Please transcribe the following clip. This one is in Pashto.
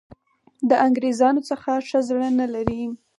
د انګرېزانو څخه ښه زړه نه لري.